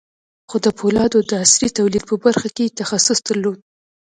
خو د پولادو د عصري تولید په برخه کې یې تخصص درلود